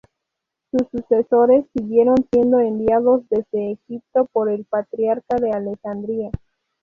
Sus sucesores siguieron siendo enviados desde Egipto por el patriarca de Alejandría.